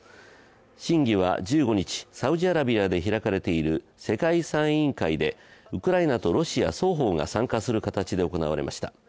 審議は１５日、サウジアラビアで開かれている世界遺産委員会でウクライナとロシア双方が参加する形で行われました。